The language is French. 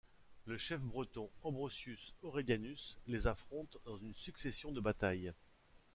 Le chef breton Ambrosius Aurelianus les affronte dans une succession de batailles.